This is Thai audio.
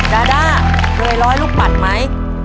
ดาด้าเคยร้อยลูกปั่นไหม